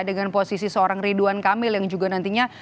dengan posisi seorang ridwan kamil yang juga nantinya